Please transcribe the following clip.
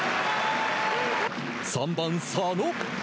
３番佐野。